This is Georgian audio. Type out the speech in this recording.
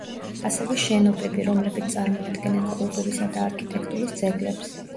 ასევე შენობები, რომლებიც წარმოადგენენ კულტურისა და არქიტექტურის ძეგლებს.